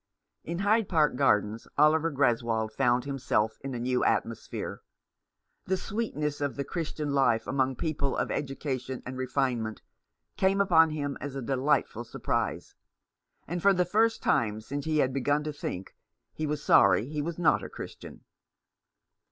In Hyde Park Gardens Oliver Greswold found himself in a new atmosphere. The sweetness of the Christian life among people of education and refinement came upon him as a delightful sur prise ; and for the first time since he had begun to think he was sorry he was not a Christian.